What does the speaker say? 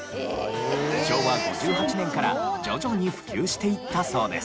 昭和５８年から徐々に普及していったそうです。